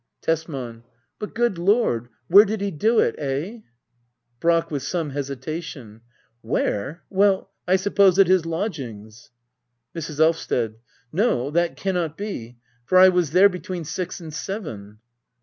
Tesman. But^ good Lord^ where did he do it ? Eh ? Brack. [With some hesitation,] Where? Well— I suppose at his lodgings. Mrs. Elvsted. No, that cannot be ; for I was there between six and seven.